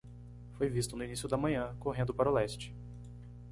Foi visto no início da manhã? correndo para o leste.